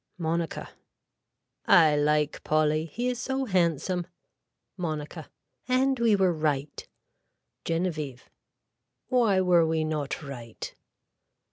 (Monica.) I like Polly. He is so handsome. (Monica.) And we were right. (Genevieve.) Why were we not right.